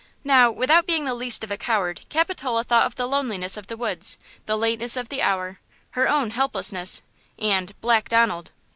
Now, without being the least of a coward, Capitola thought of the loneliness of the woods, the lateness of the hour, her own helplessness, and–Black Donald!